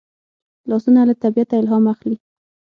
لاسونه له طبیعته الهام اخلي